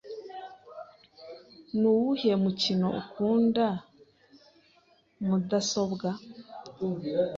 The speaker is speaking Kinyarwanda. Nuwuhe mukino ukunda mudasobwa?